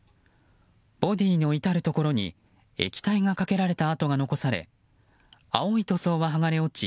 ボディーの至るところに液体がかけられた跡が残され青い塗装は剥がれ落ち